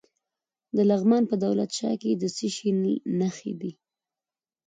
د لغمان په دولت شاه کې د څه شي نښې دي؟